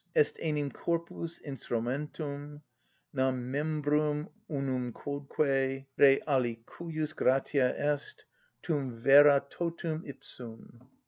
Est enim corpus instrumentum: nam membrum unumquodque __ rei alicujus gratia est, tum vero totum ipsum.